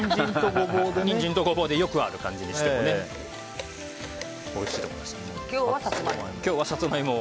ニンジンとゴボウでよくある感じにしてもおいしいと思います。